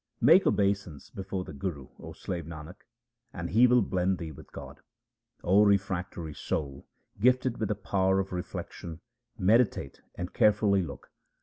Make obeisance before the Guru, O slave Nanak, and he will blend thee with God. O refractory soul, gifted with the power of reflection, meditate and carefully look.